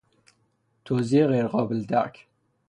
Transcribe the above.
توضیح غیر قابل درک